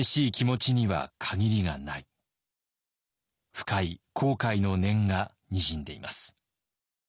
深い後悔の念がにじんでいます。